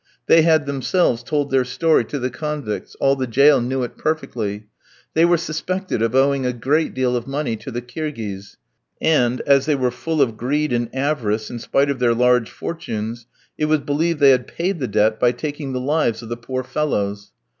They had themselves told their story to the convicts, all the jail knew it perfectly; they were suspected of owing a great deal of money to the Kirghiz, and, as they were full of greed and avarice in spite of their large fortunes, it was believed they had paid the debt by taking the lives of the poor fellows.